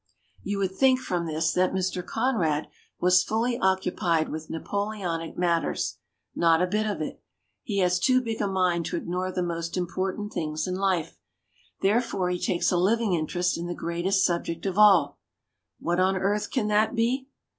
« You would think from this that Mr. Conrad was fully occupied with Na poleonic matters. Not a bit of it. He has too big a mind to ignore the most important things in life. Therefore he takes a living interest in the great est subject of all. What on earth can that be?